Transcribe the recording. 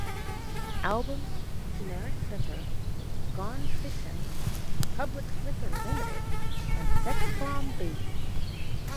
"Album - Generic Flipper", "Gone Fishin"', "Public Flipper Limited" and "Sex Bomb Baby!